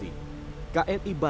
kri bali melalui kapal selam